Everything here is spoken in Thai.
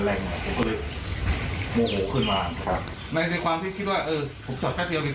แล้วพี่ได้กล่าวอ้างอะไรไหม